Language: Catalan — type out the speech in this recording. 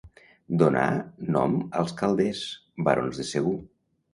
Donà nom als Calders, barons de Segur.